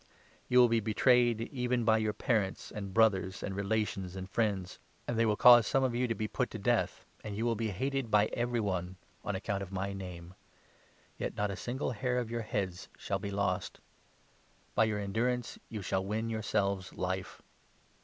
You will be betrayed 16 even by your parents and brothers and relations and friends, " Dan. a. a8. "> Isa. 19. a. LUKE, 21. 153 and they will cause sqme of you to be put to death, and you 17 will be hated by every one on account of my Name. Yet 18 not a single hair of your heads shall be lost ! By your 19 endurance you shall win yourselves Life.